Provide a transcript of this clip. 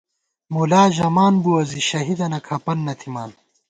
مُلا ژَمان بُوَہ زی شہیدَنہ کھپَن نہ تھِمان